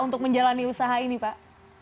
untuk menjalani usaha ini pak